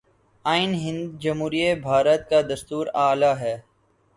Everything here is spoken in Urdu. آئین ہند جمہوریہ بھارت کا دستور اعلیٰ ہے